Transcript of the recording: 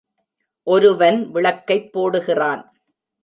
ஒருவன் விளக்கைப் போடுகிறான்.